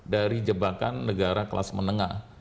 dari jebakan negara kelas menengah